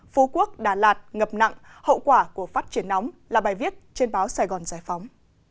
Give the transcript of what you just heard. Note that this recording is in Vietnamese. phú quốc đà lạt ngập nặng hậu quả của phát triển nóng là bài viết trên báo sài gòn giải phóng